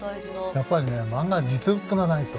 やっぱりねマンガは実物がないと。